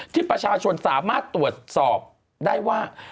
ที่ประชาชนสามารถตรวจสอบได้ว่า